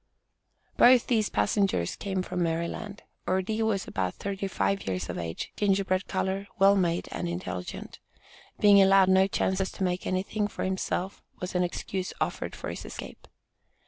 Both of these passengers came from Maryland. Ordee was about thirty five years of age, gingerbread color, well made, and intelligent. Being allowed no chances to make anything for himself, was the excuse offered for his escape.